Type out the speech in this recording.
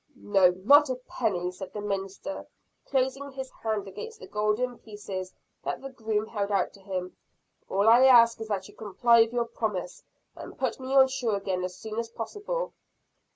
"No, not a penny!" said the minister, closing his hand against the golden pieces that the groom held out to him. "All I ask is, that you comply with your promise and put me on shore again as soon as possible."